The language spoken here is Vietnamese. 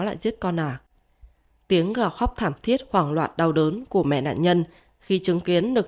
lại giết con à tiếng gào khóc thảm thiết hoảng loạn đau đớn của mẹ nạn nhân khi chứng kiến được